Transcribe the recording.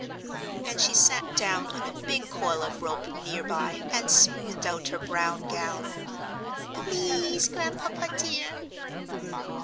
And she sat down on a big coil of rope near by and smoothed out her brown gown. "Please, Grandpapa dear."